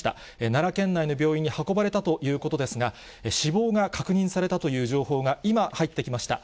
奈良県内の病院に運ばれたということですが、死亡が確認されたという情報が今入ってきました。